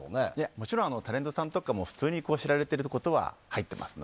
もちろん、タレントさんとか普通に知られていることは入っています。